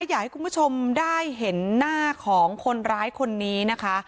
อยากให้คุณผู้ชมได้เห็นหน้าของคนร้ายคนนี้นะคะ